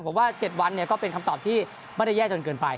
ผมว่า๗วันก็เป็นคำตอบที่ไม่ได้แย่จนเกินไป